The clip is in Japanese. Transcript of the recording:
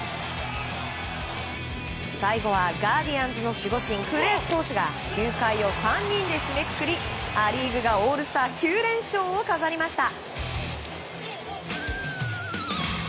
最後はガーディアンズの守護神クレース投手が９回を３人で締めくくりア・リーグがオールスター９連勝を飾りました。